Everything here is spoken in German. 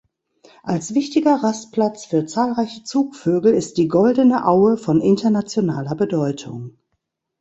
Als wichtiger Rastplatz für zahlreiche Zugvögel ist die Goldene Aue von internationaler Bedeutung.